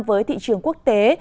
với thị trường quốc tế